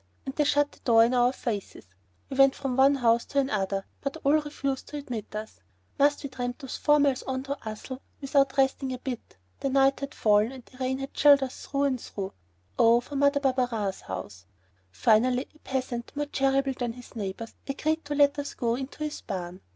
And they shut the door in our faces. We went from one house to another, but all refused to admit us. Must we tramp those four miles on to Ussel without resting a bit? The night had fallen and the rain had chilled us through and through. Oh, for Mother Barberin's house! Finally a peasant, more charitable than his neighbors, agreed to let us go into his barn.